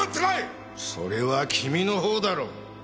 それは君のほうだろう。